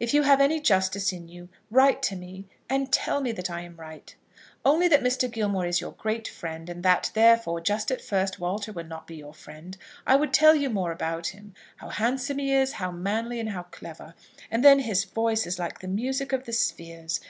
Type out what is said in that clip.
If you have any justice in you, write to me and tell me that I am right. Only that Mr. Gilmore is your great friend, and that, therefore, just at first, Walter will not be your friend, I would tell you more about him, how handsome he is, how manly, and how clever. And then his voice is like the music of the spheres.